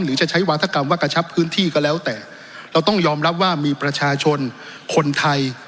จะใช้วาธกรรมว่ากระชับพื้นที่ก็แล้วแต่เราต้องยอมรับว่ามีประชาชนคนไทย